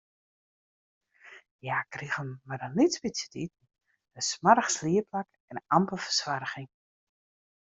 Hja krigen mar in lyts bytsje te iten, in smoarch sliepplak en amper fersoarging.